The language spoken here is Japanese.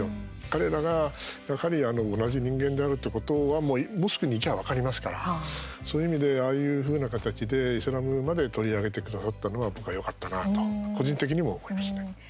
彼らが、やはり同じ人間であるってことは、もうモスクに行けば分かりますから、そういう意味でああいうふうな形でイスラムまで取り上げてくださったのは僕は、よかったなと個人的にも思いますね。